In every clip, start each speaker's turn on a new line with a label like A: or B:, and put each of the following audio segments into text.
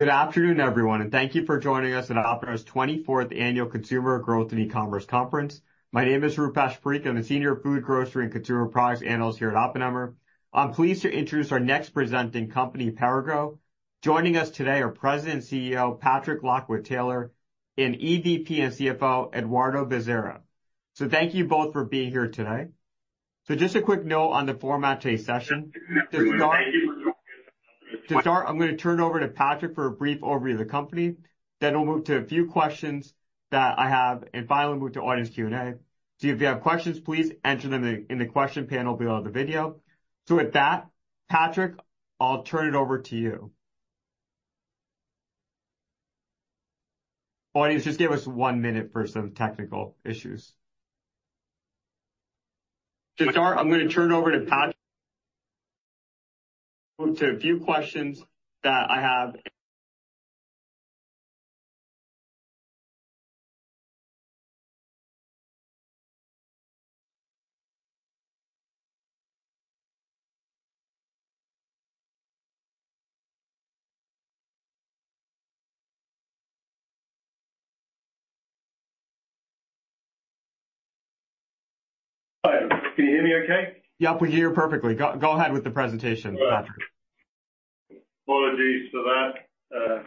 A: Good afternoon, everyone, and thank you for joining us at Oppenheimer's 24th Annual Consumer Growth and E-Commerce Conference. My name is Rupesh Parikh. I'm the Senior Food, Grocery, and Consumer Products Analyst here at Oppenheimer. I'm pleased to introduce our next presenting company, Perrigo. Joining us today are President and CEO, Patrick Lockwood-Taylor, and EVP and CFO, Eduardo Bezerra. So thank you both for being here today. So just a quick note on the format today's session. To start, I'm gonna turn it over to Patrick for a brief overview of the company, then we'll move to a few questions that I have, and finally, move to audience Q&A. So if you have questions, please enter them in the question panel below the video. So with that, Patrick, I'll turn it over to you. Audience, just give us one minute for some technical issues. To start, I'm gonna turn it over to Patrick. Move to a few questions that I have.
B: Hi, can you hear me okay?
A: Yep, we hear you perfectly. Go, go ahead with the presentation, Patrick.
B: Apologies for that.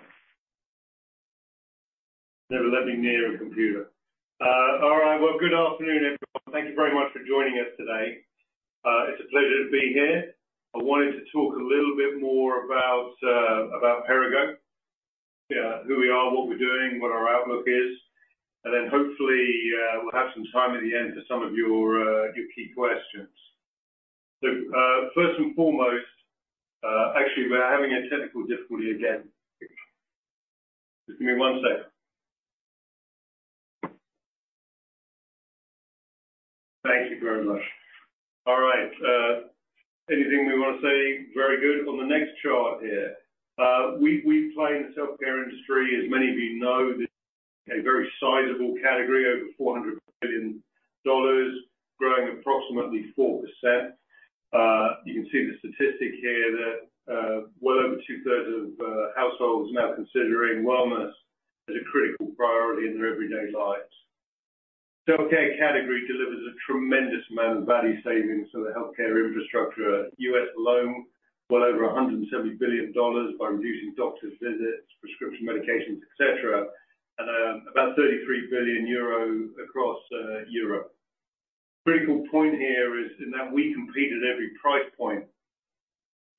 B: Never let me near a computer. All right. Well, good afternoon, everyone. Thank you very much for joining us today. It's a pleasure to be here. I wanted to talk a little bit more about, about Perrigo. Yeah, who we are, what we're doing, what our outlook is, and then hopefully, we'll have some time at the end for some of your, your key questions. So, first and foremost, actually, we're having a technical difficulty again. Just give me one second. Thank you very much. All right, anything we want to say? Very good. On the next chart here, we, we play in the self-care industry, as many of you know, a very sizable category, over $400 billion, growing approximately 4%. You can see the statistic here that, well over two-thirds of households are now considering wellness as a critical priority in their everyday lives. Self-care category delivers a tremendous amount of value savings to the healthcare infrastructure. U.S. alone, well over $170 billion by reducing doctor's visits, prescription medications, et cetera, and about 33 billion euro across Europe. Critical point here is that we compete at every price point,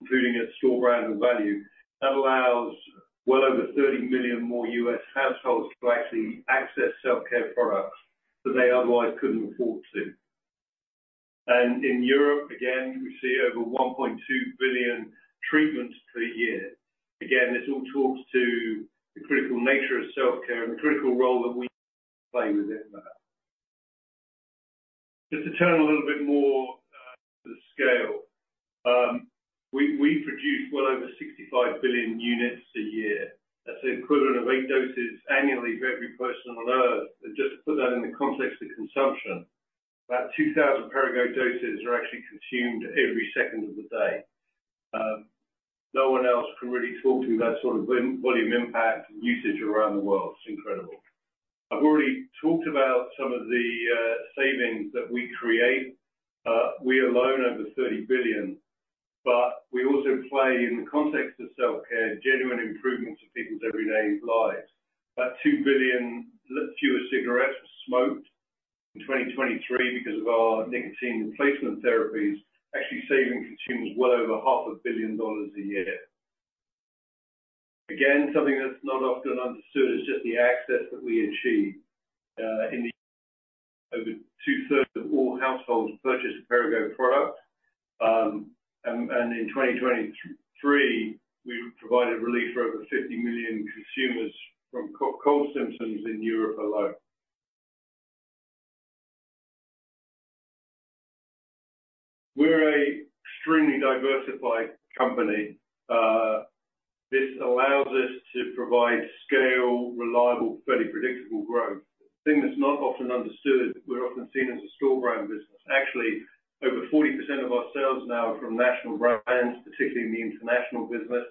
B: including at store brand and value. That allows well over $30 million more U.S. households to actually access self-care products that they otherwise couldn't afford to. And in Europe, again, we see over 1.2 billion treatments per year. Again, this all talks to the critical nature of self-care and the critical role that we play within that. Just to turn a little bit more to scale. We produce well over 65 billion units a year. That's the equivalent of 8 doses annually for every person on Earth. Just to put that in the context of consumption, about 2,000 Perrigo doses are actually consumed every second of the day. No one else can really talk to that sort of volume impact and usage around the world. It's incredible. I've already talked about some of the savings that we create. We alone, over $30 billion, but we also play, in the context of self-care, genuine improvements to people's everyday lives. About 2 billion fewer cigarettes smoked in 2023 because of our nicotine replacement therapies, actually saving consumers well over $500 million a year. Again, something that's not often understood is just the access that we achieve, in the... Over two-thirds of all households purchase a Perrigo product. And in 2023, we provided relief for over 50 million consumers from cough-cold symptoms in Europe alone. We're an extremely diversified company. This allows us to provide scale, reliable, fairly predictable growth. The thing that's not often understood, we're often seen as a store brand business. Actually, over 40% of our sales now are from national brands, particularly in the international business,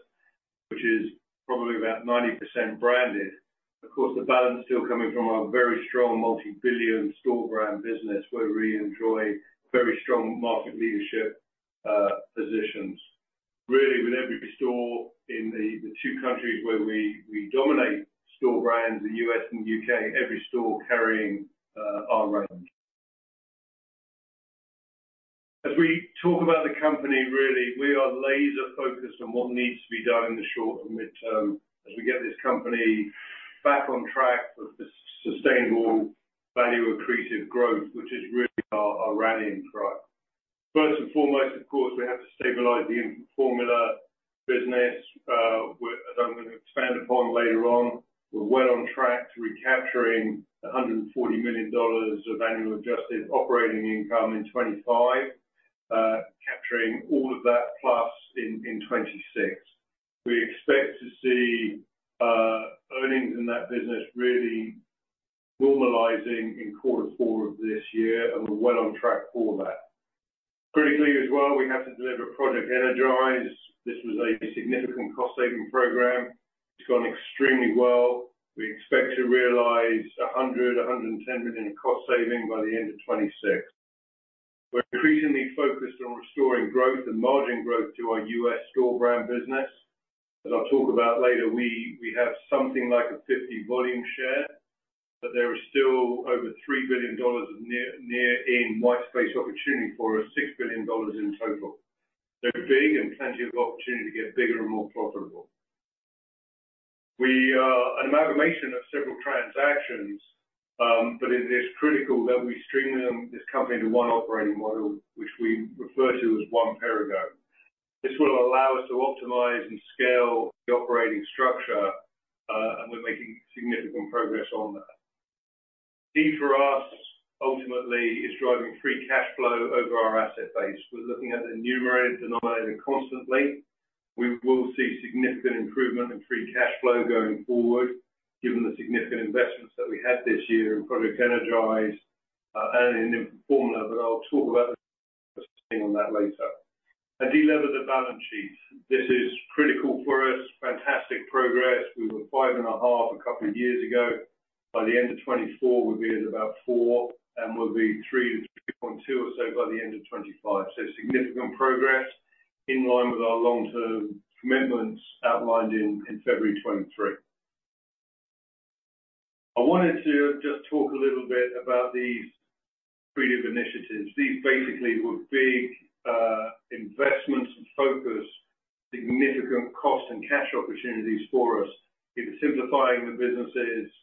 B: which is probably about 90% branded. Of course, the balance still coming from our very strong multi-billion store brand business, where we enjoy very strong market leadership positions. Really, with every store in the two countries where we dominate store brands, the U.S. and UK, every store carrying our brand. As we talk about the company, really, we are laser-focused on what needs to be done in the short and mid-term as we get this company back on track with the sustainable value accretive growth, which is really our, our rallying cry. First and foremost, of course, we have to stabilize the infant formula business, as I'm going to expand upon later on. We're well on track to recapturing $140 million of annual adjusted operating income in 2025. Capturing all of that plus in 2026. We expect to see that business really normalizing in quarter four of this year, and we're well on track for that. Critically as well, we have to deliver Project Energize. This was a significant cost-saving program. It's gone extremely well. We expect to realize $110 million in cost savings by the end of 2026. We're increasingly focused on restoring growth and margin growth to our US store brand business. As I'll talk about later, we have something like a 50 volume share, but there is still over $3 billion of near-in white space opportunity for us, $6 billion in total. They're big and plenty of opportunity to get bigger and more profitable. We are an amalgamation of several transactions, but it is critical that we streamline this company into one operating model, which we refer to as One Perrigo. This will allow us to optimize and scale the operating structure, and we're making significant progress on that. Key for us, ultimately, is driving free cash flow over our asset base. We're looking at the numerator, denominator constantly. We will see significant improvement in free cash flow going forward, given the significant investments that we had this year in Project Energize and in formula, but I'll talk about that later, and de-lever the balance sheet. This is critical for us. Fantastic progress. We were 5.5 a couple of years ago. By the end of 2024, we'll be at about 4, and we'll be 3-3.2 or so by the end of 2025. So significant progress in line with our long-term commitments outlined in February 2023. I wanted to just talk a little bit about these creative initiatives. These basically were big investments and focus, significant cost and cash opportunities for us. Either simplifying the businesses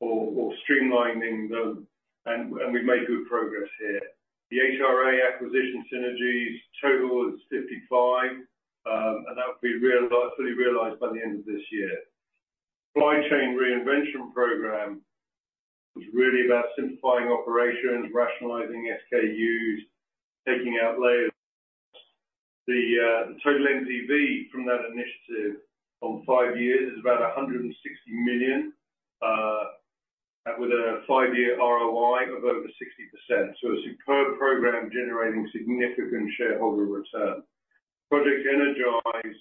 B: or streamlining them, and we've made good progress here. The HRA acquisition synergies total is $55 million, and that will be realized, fully realized by the end of this year. Supply Chain Reinvention program is really about simplifying operations, rationalizing SKUs, taking out layers. The total NPV from that initiative on 5 years is about $160 million, with a 5-year ROI of over 60%. So a superb program generating significant shareholder return. Project Energize,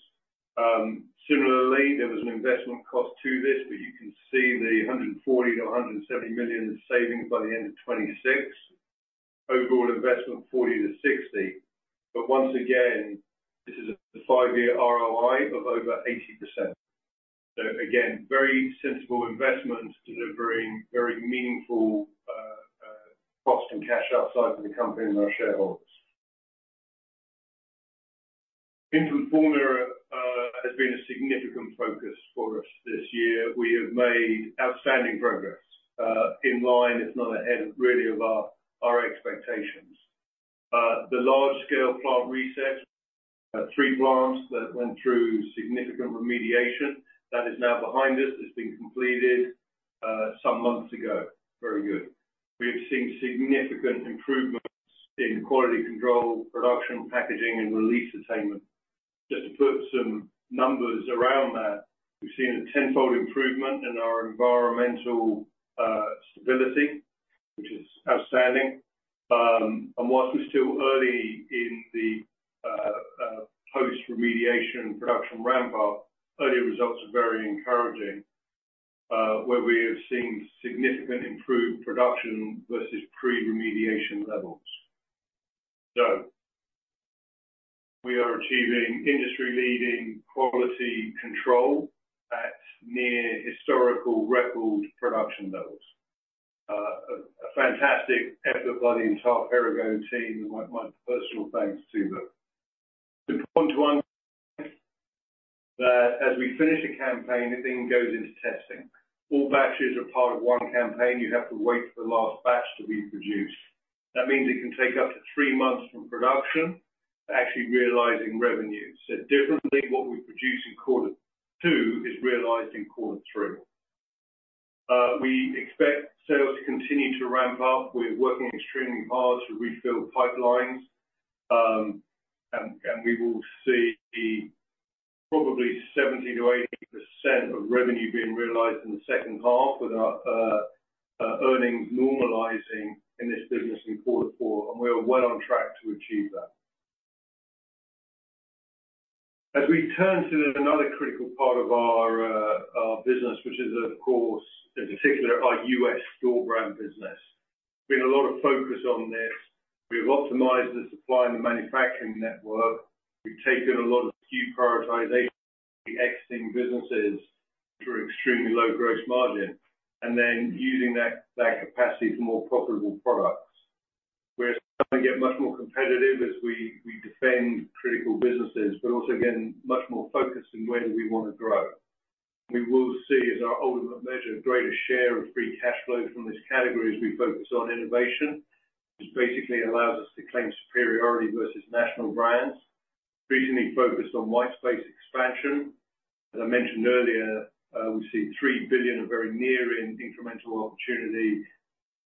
B: similarly, there was an investment cost to this, but you can see the $140 to $170 million in savings by the end of 2026. Overall investment, $40 to $60 million. But once again, this is a 5-year ROI of over 80%. So again, very sensible investments delivering very meaningful, cost and cash upside for the company and our shareholders. Infant formula, has been a significant focus for us this year. We have made outstanding progress in line, if not ahead, really, of our expectations. The large-scale plant reset, three plants that went through significant remediation, that is now behind us. It's been completed some months ago. Very good. We have seen significant improvements in quality control, production, packaging, and release attainment. Just to put some numbers around that, we've seen a tenfold improvement in our environmental stability, which is outstanding. And whilst we're still early in the post-remediation production ramp-up, early results are very encouraging, where we have seen significant improved production versus pre-remediation levels. So we are achieving industry-leading quality control at near historical record production levels. A fantastic effort by the entire Perrigo team, my personal thanks to them. The point one, that as we finish a campaign, everything goes into testing. All batches are part of one campaign. You have to wait for the last batch to be produced. That means it can take up to three months from production to actually realizing revenue. So differently, what we produce in quarter two is realized in quarter three. We expect sales to continue to ramp up. We're working extremely hard to refill pipelines, and we will see probably 70%-80% of revenue being realized in the second half, with our earnings normalizing in this business in quarter four, and we are well on track to achieve that. As we turn to another critical part of our business, which is, of course, in particular, our U.S. store brand business. Been a lot of focus on this. We've optimized the supply and the manufacturing network. We've taken a lot of SKU prioritization, exiting businesses through extremely low gross margin, and then using that capacity for more profitable products. We're trying to get much more competitive as we defend critical businesses, but also again, much more focused in where we want to grow. We will see, as our ultimate measure, a greater share of free cash flow from this category as we focus on innovation, which basically allows us to claim superiority versus national brands. Recently focused on white space expansion. As I mentioned earlier, we see $3 billion of very near-term incremental opportunity,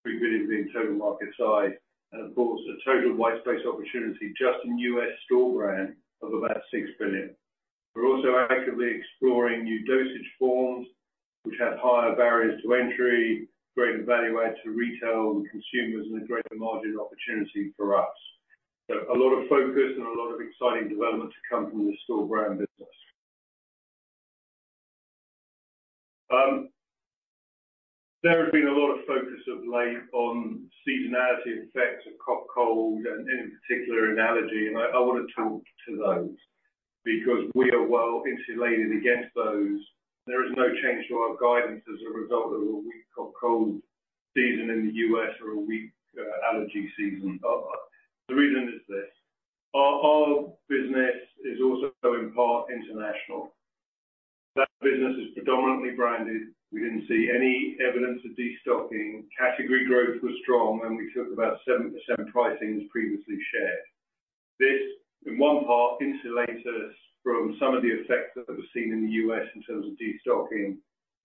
B: $3 billion being total market size, and of course, a total white space opportunity just in U.S. store brand of about $6 billion. We're also actively exploring new dosage forms, which have higher barriers to entry, greater value add to retail and consumers, and a greater margin opportunity for us. So a lot of focus and a lot of exciting development to come from the store brand business. There has been a lot of focus of late on seasonality effects of cough, cold, and any particular allergy, and I wanna talk to those because we are well insulated against those. There is no change to our guidance as a result of a weak cough, cold season in the U.S. or a weak allergy season. The reason is this, our business is also in part international. That business is predominantly branded. We didn't see any evidence of destocking. Category growth was strong, and we took about 7% pricing, as previously shared. This, in one part, insulates us from some of the effects that were seen in the U.S. in terms of destocking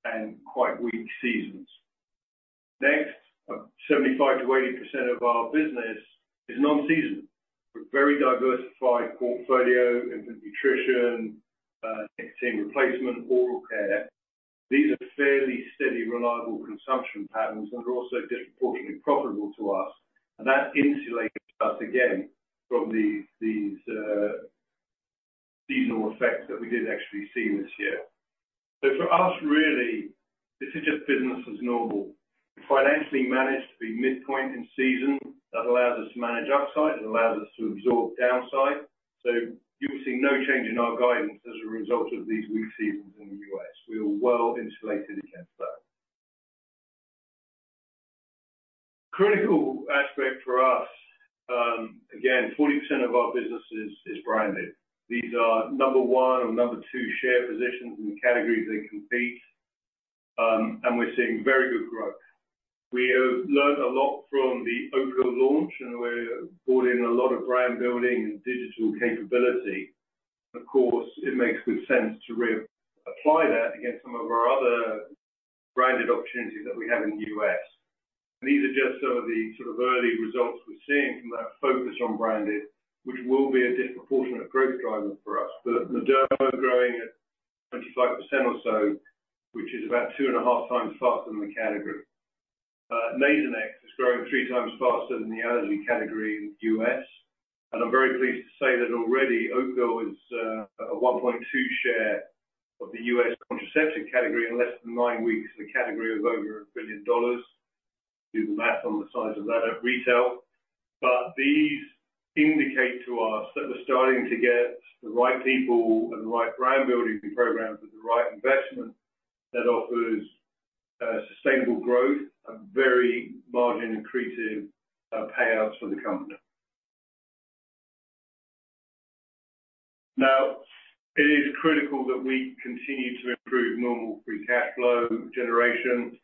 B: and quite weak seasons. Next, 75%-80% of our business is non-seasonal. We're very diversified portfolio, infant nutrition, nicotine replacement, oral care. These are fairly steady, reliable consumption patterns and are also disproportionately profitable to us, and that insulates us again from the, these, seasonal effects that we did actually see this year. So for us, really, this is just business as normal. Financially managed to be midpoint in season, that allows us to manage upside, it allows us to absorb downside. So you will see no change in our guidance as a result of these weak seasons in the U.S. We are well insulated against that. Critical aspect for us, again, 40% of our business is, is branded. These are number one or number two share positions in the categories they compete, and we're seeing very good growth. We have learned a lot from the Opill launch, and we've brought in a lot of brand building and digital capability. Of course, it makes good sense to reapply that against some of our other branded opportunities that we have in the U.S. These are just some of the sort of early results we're seeing from that focus on branded, which will be a disproportionate growth driver for us. But Mederma growing at 25% or so, which is about two and a half times faster than the category. Nasonex is growing three times faster than the allergy category in the U.S. And I'm very pleased to say that already, Opill is a 1.2 share of the U.S. contraceptive category. In less than nine weeks, the category is over $1 billion. Do the math on the size of that at retail. But these indicate to us that we're starting to get the right people and the right brand-building programs with the right investment that offers sustainable growth and very margin-increasing payouts for the company. Now, it is critical that we continue to improve normal free cash flow generation.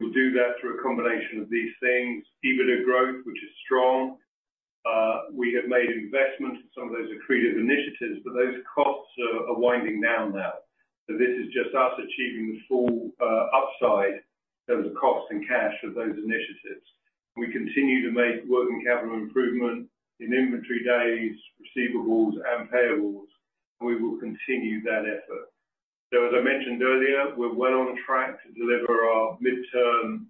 B: We'll do that through a combination of these things: EBITDA growth, which is strong. We have made investments, some of those accretive initiatives, but those costs are winding down now. So this is just us achieving the full upside of the cost and cash of those initiatives. We continue to make working capital improvement in inventory days, receivables, and payables, and we will continue that effort. So as I mentioned earlier, we're well on track to deliver our midterm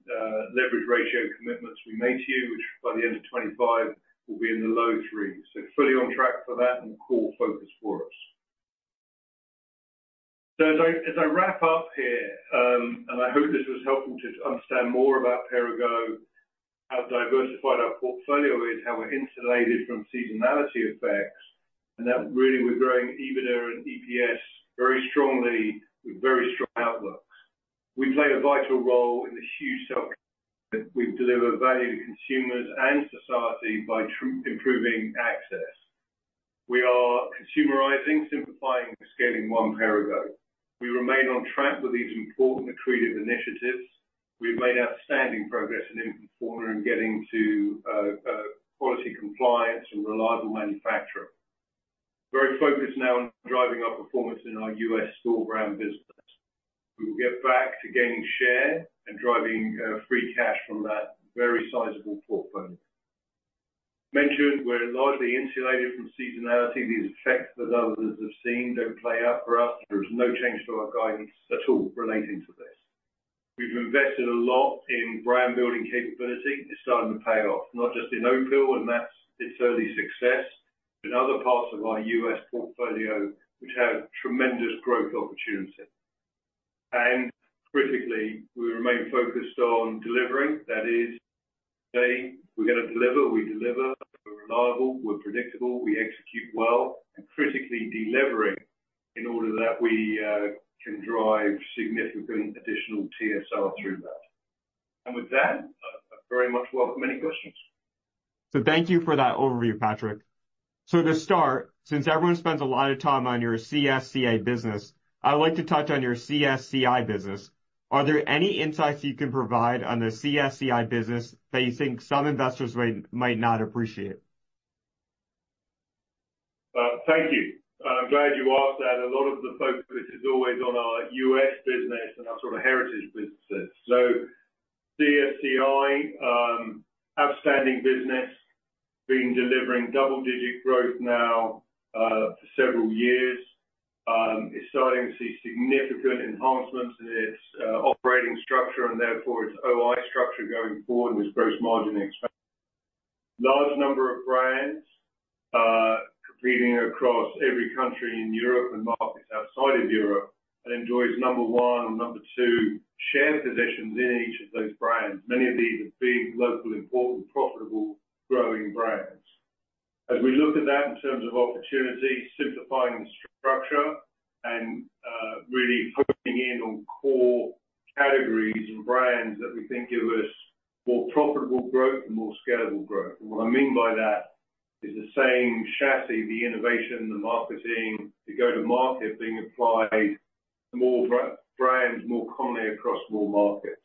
B: leverage ratio commitments we made to you, which by the end of 2025, will be in the low 3s. So fully on track for that and core focus for us. So as I wrap up here, and I hope this was helpful to understand more about Perrigo, how diversified our portfolio is, how we're insulated from seasonality effects, and that really we're growing EBITDA and EPS very strongly with very strong outlooks. We play a vital role in the huge self. We deliver value to consumers and society by truly improving access. We are consumerizing, simplifying, and scaling One Perrigo. We remain on track with these important accretive initiatives. We've made outstanding progress in Infant formula and getting to quality, compliance, and reliable manufacturing. Very focused now on driving our performance in our U.S. store brand business. We will get back to gaining share and driving free cash from that very sizable portfolio. Mentioned, we're largely insulated from seasonality. These effects that others have seen don't play out for us. There is no change to our guidance at all relating to this. We've invested a lot in brand building capability. It's starting to pay off, not just in Opill, and that's its early success, but in other parts of our U.S. portfolio, which have tremendous growth opportunity. And critically, we remain focused on delivering. That is, say, we're gonna deliver, we deliver, we're reliable, we're predictable, we execute well, and critically delivering in order that we can drive significant additional TSR through that. And with that, I'd very much welcome any questions.
A: Thank you for that overview, Patrick. To start, since everyone spends a lot of time on your CSCI business, I'd like to touch on your CSCI business. Are there any insights you can provide on the CSCI business that you think some investors might not appreciate?
B: Thank you. I'm glad you asked that. A lot of the focus is always on our U.S. business and our sort of heritage business. So CSCI, outstanding business, been delivering double-digit growth now, for several years. It's starting to see significant enhancements in its operating structure, and therefore its OI structure going forward with gross margin expansion. Large number of brands, competing across every country in Europe and markets outside of Europe, and enjoys number one and number two share positions in each of those brands. Many of these are big, local, important, profitable, growing brands. As we look at that in terms of opportunities, simplifying the structure and really focusing in on core categories and brands that we think give us more profitable growth and more scalable growth. What I mean by that is the same chassis, the innovation, the marketing, the go-to-market being applied to more brands more commonly across more markets.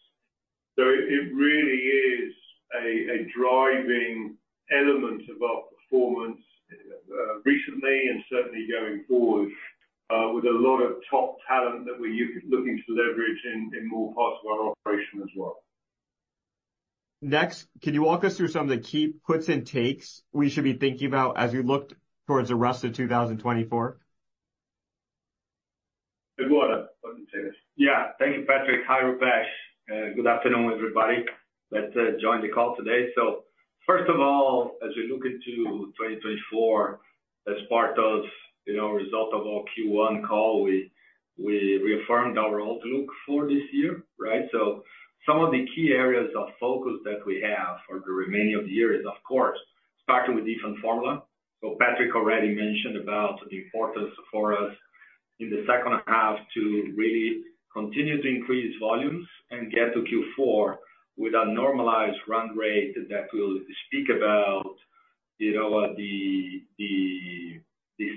B: So it really is a driving element of our performance, recently and certainly going forward, with a lot of top talent that we're looking to leverage in more parts of our operation as well.
A: Next, can you walk us through some of the key puts and takes we should be thinking about as we look towards the rest of 2024?
B: Eduardo, why don't you take this? Yeah, thank you, Patrick.
C: Hi, Rupesh, good afternoon, everybody that joined the call today. So first of all, as we look into 2024, as part of, you know, result of our Q1 call, we reaffirmed our outlook for this year, right? So some of the key areas of focus that we have for the remaining of the year is, of course, starting with infant formula. So Patrick already mentioned about the importance for us in the second half to really continue to increase volumes and get to Q4 with a normalized run rate that will speak about, you know, the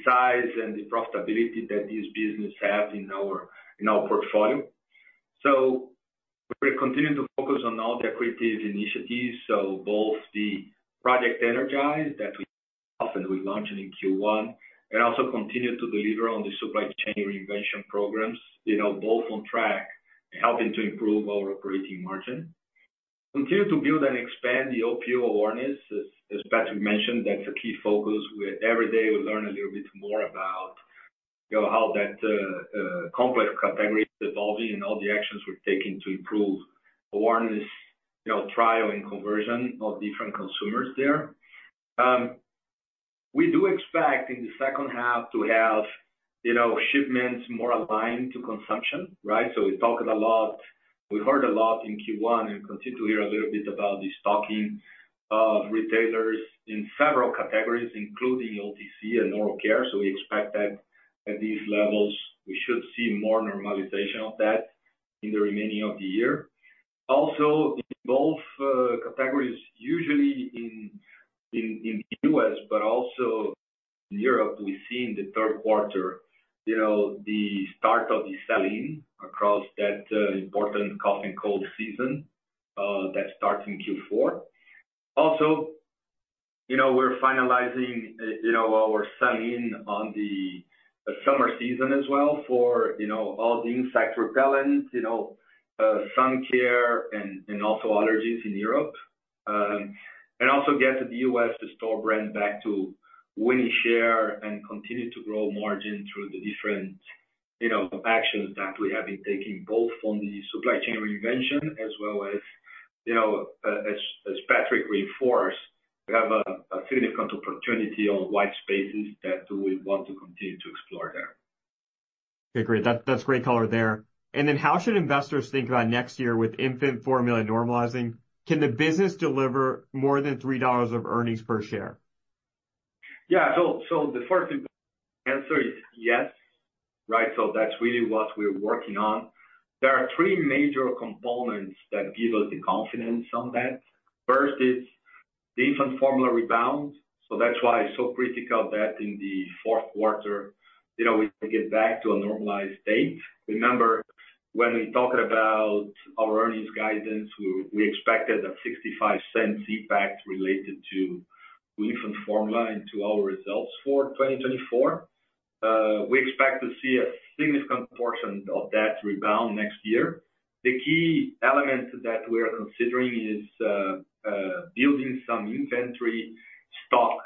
C: size and the profitability that this business has in our portfolio. So we're continuing to focus on all the accretive initiatives, so both the Project Energize that we offered, we launched in Q1, and also continue to deliver on the Supply Chain Reinvention programs, you know, both on track, helping to improve our operating margin. Continue to build and expand the Opill awareness. As Patrick mentioned, that's a key focus, where every day we learn a little bit more about, you know, how that complex category is evolving and all the actions we're taking to improve awareness, you know, trial and conversion of different consumers there. We do expect in the second half to have, you know, shipments more aligned to consumption, right? So we talked a lot, we heard a lot in Q1 and continue to hear a little bit about the stocking of retailers in several categories, including OTC and oral care. So we expect that at these levels, we should see more normalization of that in the remaining of the year. Also, in both categories, usually in U.S., but also in Europe, we see in the third quarter, you know, the start of the selling across that important cough and cold season that starts in Q4. Also, you know, we're finalizing you know, our selling on the the summer season as well for, you know, all the insect repellents, you know, sun care and and also allergies in Europe. And also get to the U.S. store brand back to winning share and continue to grow margin through the different, you know, actions that we have been taking, both from the Supply Chain Reinvention as well as, you know, as Patrick reinforced, we have a significant opportunity on white spaces that we want to continue to explore there.
A: Okay, great. That's great color there. And then how should investors think about next year with infant formula normalizing? Can the business deliver more than $3 of earnings per share?
C: Yeah. So, the first answer is yes, right? So that's really what we're working on. There are three major components that give us the confidence on that. First is the infant formula rebound, so that's why it's so critical that in the fourth quarter, you know, we get back to a normalized state. Remember, when we talked about our earnings guidance, we expected a $0.65 impact related to the infant formula into our results for 2024. We expect to see a significant portion of that rebound next year. The key elements that we are considering is building some inventory stock.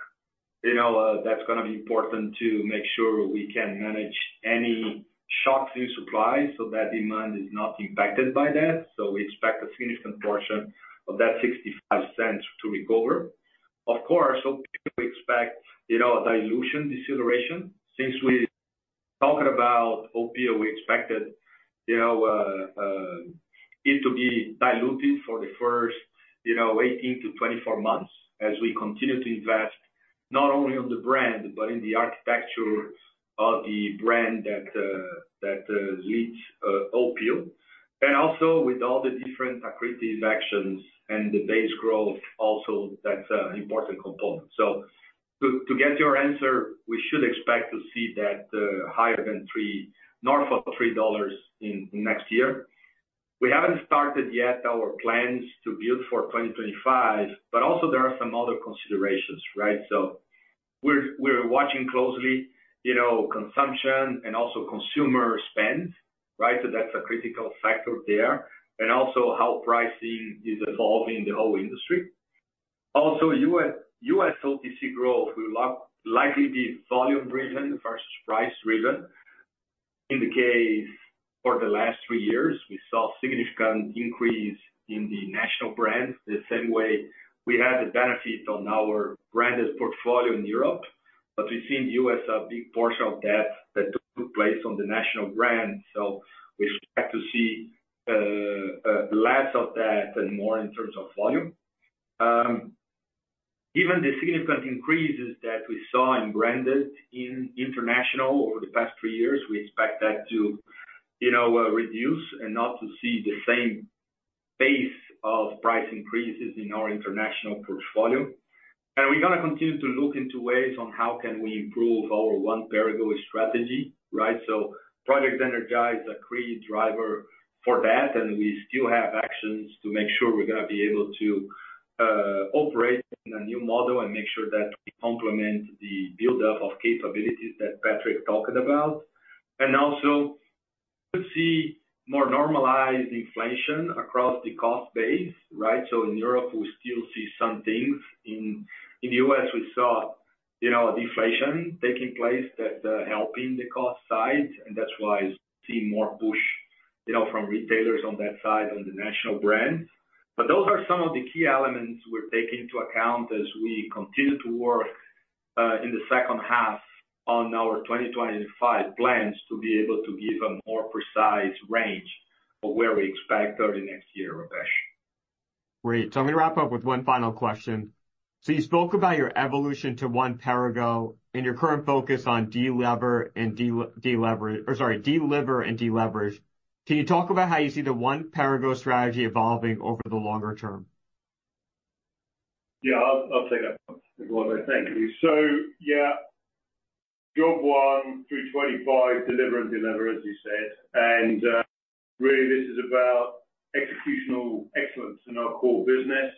C: You know, that's gonna be important to make sure we can manage any shocks in supply, so that demand is not impacted by that. So we expect a significant portion of that $0.65 to recover. Of course, we expect, you know, a dilution deceleration. Since we talked about Opill, we expected, you know, it to be diluted for the first, you know, 18-24 months as we continue to invest not only on the brand, but in the architecture of the brand that leads Opill. And also with all the different accretive actions and the base growth also, that's an important component. So to get your answer, we should expect to see that higher than $3... north of $3 next year. We haven't started yet our plans to build for 2025, but also there are some other considerations, right? So we're watching closely, you know, consumption and also consumer spend, right? So that's a critical factor there, and also how pricing is evolving the whole industry. Also, U.S., U.S. OTC growth will likely be volume driven versus price driven. In the case for the last three years, we saw significant increase in the national brands, the same way we had the benefit on our branded portfolio in Europe. But we've seen U.S., a big portion of that, that took place on the national brand, so we expect to see less of that and more in terms of volume. Given the significant increases that we saw in branded in international over the past three years, we expect that to, you know, reduce and not to see the same pace of price increases in our international portfolio. And we're gonna continue to look into ways on how can we improve our One Perrigo strategy, right? So Project Energize, a key driver for that, and we still have actions to make sure we're gonna be able to operate in a new model and make sure that we complement the buildup of capabilities that Patrick talked about. And also, to see more normalized inflation across the cost base, right? So in Europe, we still see some things. In the U.S., we saw, you know, deflation taking place that helping the cost side, and that's why seeing more push, you know, from retailers on that side, on the national brands. But those are some of the key elements we're taking into account as we continue to work in the second half on our 2025 plans, to be able to give a more precise range of where we expect over the next year, Rupesh.
A: Great. So let me wrap up with one final question. So you spoke about your evolution to One Perrigo and your current focus on delever and delever—or sorry, deliver and deleverage. Can you talk about how you see the One Perrigo strategy evolving over the longer term?
B: Yeah, I'll take that one, Eduardo. Thank you. So yeah, job one through 2025, deliver and deliver, as you said. Really this is about executional excellence in our core business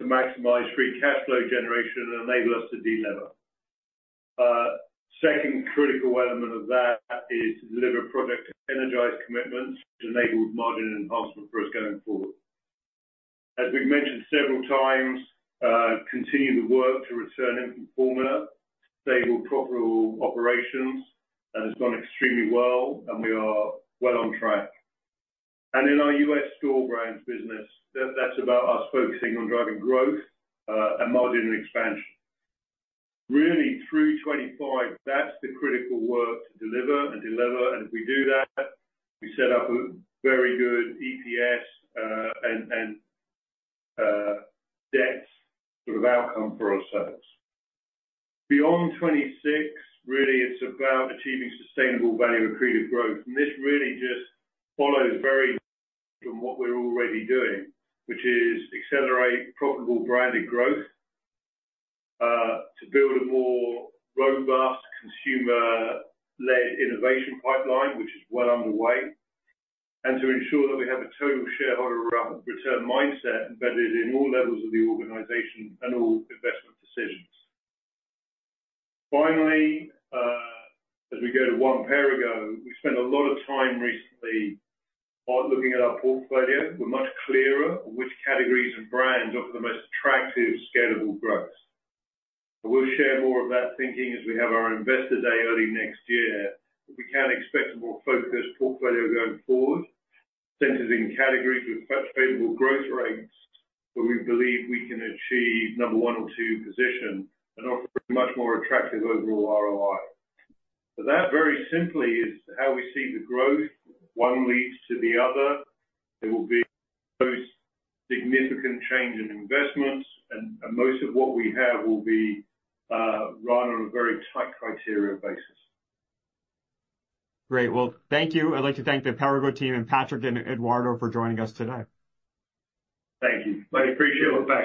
B: to maximize free cash flow generation and enable us to delever. Second critical element of that is deliver Project Energize commitments, which enabled margin enhancement for us going forward. As we've mentioned several times, continue the work to return infant formula, stable, profitable operations, and has gone extremely well, and we are well on track. In our U.S. store brands business, that's about us focusing on driving growth and margin expansion. Really, through 2025, that's the critical work to deliver and deliver, and if we do that, we set up a very good EPS and debt sort of outcome for ourselves. Beyond 2026, really, it's about achieving sustainable value, accretive growth, and this really just follows very from what we're already doing, which is accelerate profitable branded growth, to build a more robust consumer-led innovation pipeline, which is well underway. And to ensure that we have a total shareholder return mindset embedded in all levels of the organization and all investment decisions. Finally, as we go to One Perrigo, we spent a lot of time recently looking at our portfolio. We're much clearer on which categories and brands offer the most attractive, scalable growth. We'll share more of that thinking as we have our Investor Day early next year. We can expect a more focused portfolio going forward, centered in categories with favorable growth rates, where we believe we can achieve number one or two position and offer a much more attractive overall ROI. So that, very simply, is how we see the growth. One leads to the other. There will be significant change in investments, and most of what we have will be run on a very tight criteria basis.
A: Great. Well, thank you. I'd like to thank the Perrigo team and Patrick and Eduardo for joining us today.
B: Thank you. I appreciate it. Bye.